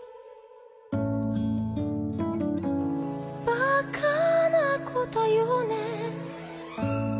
「バカな子だよね」